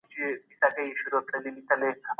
د جرګې کلتور د افغانانو د بقا راز دی.